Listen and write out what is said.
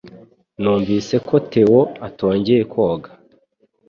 Numvise ko Theo atongeye koga